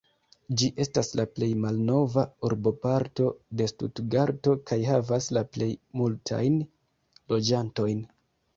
Ĝi estas la plej malnova urboparto de Stutgarto kaj havas la plej multajn loĝantojn.